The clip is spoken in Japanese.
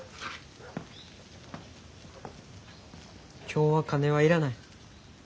今日は金は要らない。